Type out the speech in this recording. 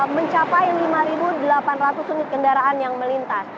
mencapai lima delapan ratus unit kendaraan yang melintas